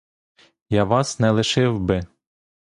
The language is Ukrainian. Я вас не лишив би.